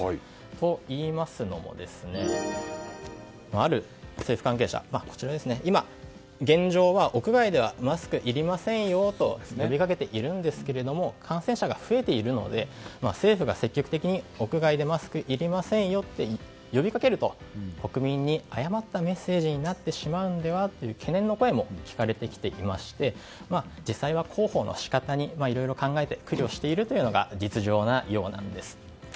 と言いますのもある政府関係者は今、現状は屋外ではマスクがいりませんよと呼び掛けているんですが感染者が増えているので政府が積極的に屋外でマスクいりませんよと呼びかけると国民に誤ったメッセージになってしまうのではという懸念の声も聞かれてきていまして実際は広報の仕方にいろいろ考えて苦慮しているというのが実情なようなんです。